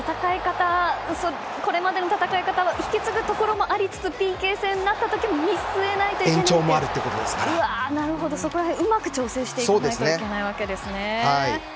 これまでの戦い方を引き継ぐところもありつつＰＫ戦になった時も見据えないといけないからそこら辺をうまく調整していかないといけないわけですね。